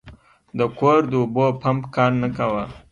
د کور د اوبو پمپ کار نه کاوه.